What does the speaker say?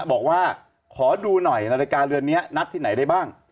บอกว่าขอดูหน่อยนาฬิกาเรือนนี้นัดที่ไหนได้บ้าง